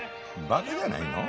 バカじゃないの？